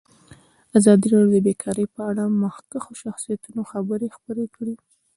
ازادي راډیو د بیکاري په اړه د مخکښو شخصیتونو خبرې خپرې کړي.